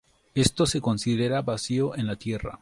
Esto se considera vacío en la Tierra.